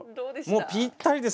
もうぴったりです！